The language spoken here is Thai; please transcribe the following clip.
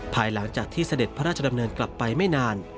ภายหลังจากที่เสด็จพระราชดำเนินกลับไปไม่นาน